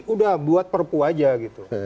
udah buat perpu aja gitu